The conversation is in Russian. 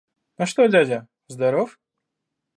А что дядя? здоров?